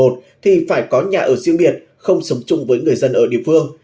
thì phải có nhà ở riêng biệt không sống chung với người dân ở địa phương